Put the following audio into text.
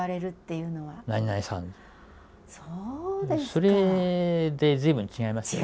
それで随分違いますよ。